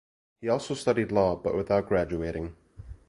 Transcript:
He also studied law, but without graduating.